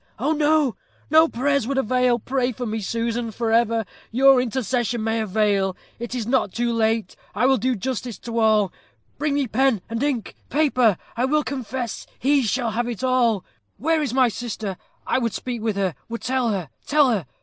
Oh! oh! no prayers would avail. Pray for me, Susan for ever! Your intercession may avail. It is not too late. I will do justice to all. Bring me pen and ink paper I will confess he shall have all. Where is my sister? I would speak with her would tell her tell her.